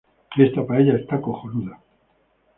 Esta paella está cojonuda